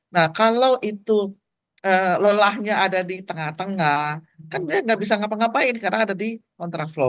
nah kalau itu lelahnya ada di tengah tengah kan dia nggak bisa ngapa ngapain karena ada di kontraflow